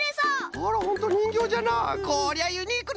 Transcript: あらホントにんぎょうじゃな！